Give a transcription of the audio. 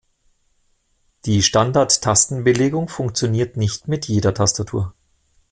Die Standard-Tastenbelegung funktioniert nicht mit jeder Tastatur.